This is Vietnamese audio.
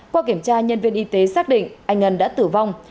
qua kiểm tra nhân viên y tế xác định anh ngân đã tử vong